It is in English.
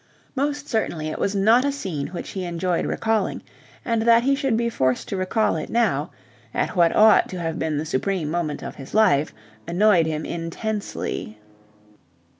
Most certainly it was not a scene which he enjoyed recalling; and that he should be forced to recall it now, at what ought to have been the supreme moment of his life, annoyed him intensely.